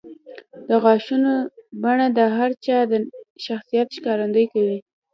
د غاښونو بڼه د هر چا د شخصیت ښکارندویي کوي.